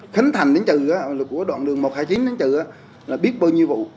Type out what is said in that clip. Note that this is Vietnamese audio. khánh thành đến trừ của đoạn đường một trăm hai mươi chín đến trừ là biết bao nhiêu vụ